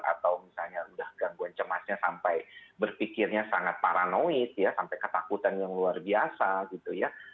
atau misalnya udah gangguan cemasnya sampai berpikirnya sangat paranoid ya sampai ketakutan yang luar biasa gitu ya